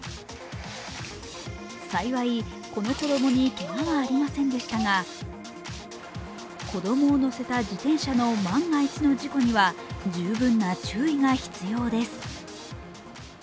幸いこの子供にけがはありませんでしたが子供を乗せた自転車の万が一の事故には十分な注意が必要です。